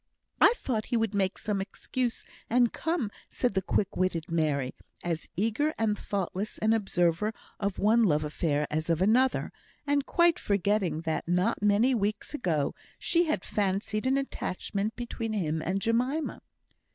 "I thought he would make some excuse and come," said the quick witted Mary, as eager and thoughtless an observer of one love affair as of another, and quite forgetting that, not many weeks ago, she had fancied an attachment between him and Jemima.